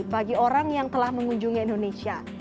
bagi orang yang telah mengunjungi indonesia